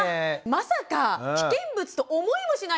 まさか危険物と思いもしないですよ。